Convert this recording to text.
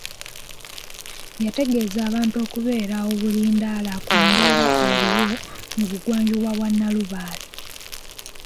Yategeza abantu okubeera obulindaala ku mbeera eriwo mu bugwanjuba bwa Nalubaale.